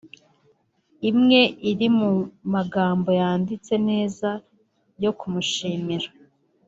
imwe iri mu magambo yanditse neza yo kumushimira